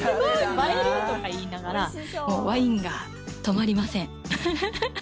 映える−！とか言いながらワインが止まりません。